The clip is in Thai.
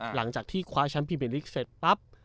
หลังจากที่คว้าแชมป์พรีเมลิกเสร็จปั๊บ